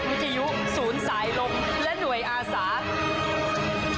ของท่านได้เสด็จเข้ามาอยู่ในความทรงจำของคน๖๗๐ล้านคนค่ะทุกท่าน